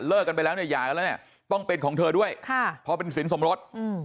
กันไปแล้วเนี่ยหย่ากันแล้วเนี่ยต้องเป็นของเธอด้วยพอเป็นสินสมรส